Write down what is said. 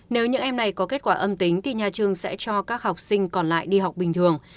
nếu những em này có kết quả âm tính thì nhà trường sẽ cho các học sinh còn lại đi học bình thường